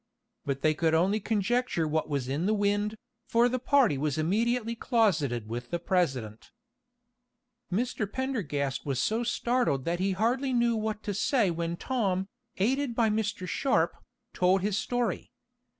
But they could only conjecture what was in the wind, for the party was immediately closeted with the president. Mr. Pendergast was so startled that he hardly knew what to say when Tom, aided by Mr. Sharp, told his story.